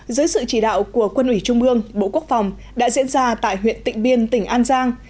dưới sự chỉ đạo của quân ủy trung ương bộ quốc phòng đã diễn ra tại huyện tỉnh biên tỉnh an giang